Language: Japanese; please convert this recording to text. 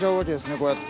こうやって。